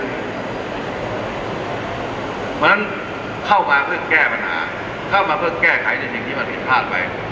เพราะฉะนั้นเข้ามาเพื่อแก้ปัญหาเข้ามาเพื่อแก้ไขในสิ่งที่มันผิดพลาดไป